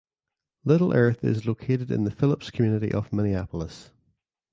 Little Earth is located in the Phillips community of Minneapolis.